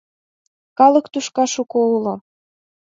— Калык тӱшка шуко уло.